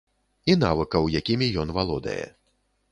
І навыкаў, якімі ён валодае.